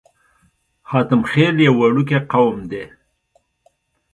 حاتم خيل يو وړوکی قوم دی.